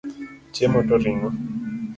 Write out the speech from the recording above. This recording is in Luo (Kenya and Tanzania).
Chiemo to ringo.